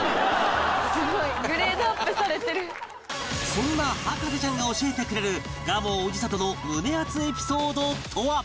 そんな博士ちゃんが教えてくれる蒲生氏郷の胸アツエピソードとは？